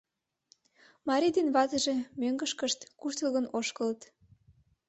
Марий ден ватыже мӧҥгышкышт куштылгын ошкылыт.